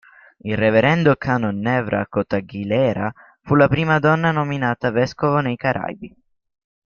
Il Reverendo Canon Nerva Cot Aguilera fu la prima donna nominata vescovo nei Caraibi.